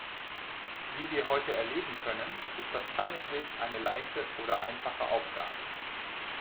Wie wir heute erleben können, ist das keineswegs eine leichte oder einfache Aufgabe.